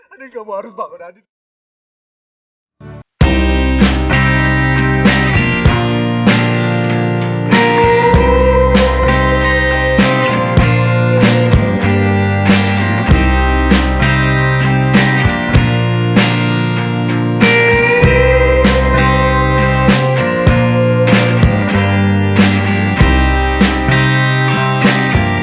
adit kamu harus bangun adit